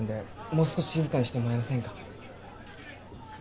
もう少し静かにしてもらえませんか